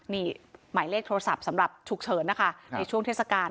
นี่หมายเลขโทรศัพท์สำหรับฉุกเฉินนะคะในช่วงเทศกาล